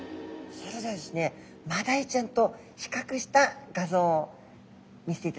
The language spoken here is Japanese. それではですねマダイちゃんと比較した画像を見せていただきます。